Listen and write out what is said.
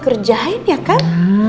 ngerjain ya kan